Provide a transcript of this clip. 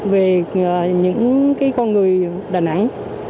về những con người đà nẵng